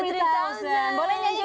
boleh nyanyi sama gemmy bara bara